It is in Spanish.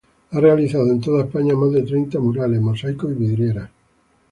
Ha realizado en toda España más de treinta murales, mosaicos y vidrieras.